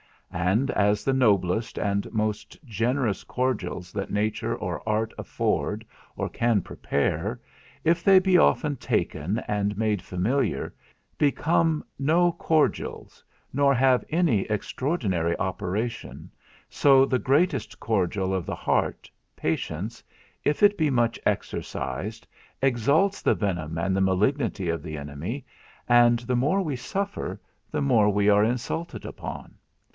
And as the noblest and most generous cordials that nature or art afford, or can prepare, if they be often taken and made familiar, become no cordials, nor have any extraordinary operation, so the greatest cordial of the heart, patience, if it be much exercised, exalts the venom and the malignity of the enemy, and the more we suffer the more we are insulted upon.